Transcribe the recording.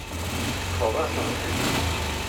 Teṭṭfeḍ-asen-t-id.